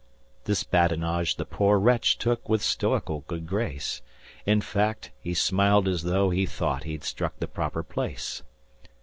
This badinage the poor wretch took with stoical good grace; In face, he smiled as tho' he thought he'd struck the proper place.